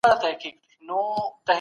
که عاجزي خپله کړي په خلګو کي به ګران سي.